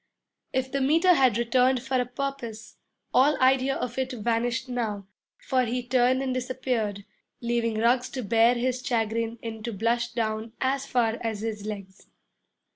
If the Meter had returned for a purpose, all idea of it vanished now, for he turned and disappeared, leaving Ruggs to bear his chagrin and to blush down as far as his legs.